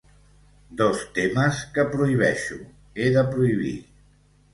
Dos temes que prohibeixo, he de prohibir.